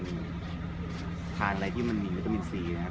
การผ่านอะไรที่มันมีวิตามินซีครับ